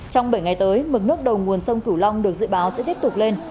trong bảy ngày tới mực nước đầu nguồn sông cửu long được dự báo sẽ tiếp tục lên